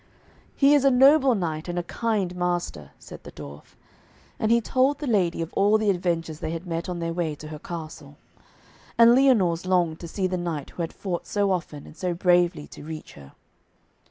'He is a noble knight and a kind master,' said the dwarf; and he told the lady of all the adventures they had met on their way to her castle. And Lyonors longed to see the knight who had fought so often and so bravely to reach her.